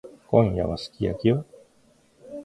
今夜はすき焼きよ。